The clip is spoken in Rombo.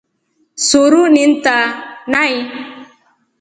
Suru ni ntaa nai.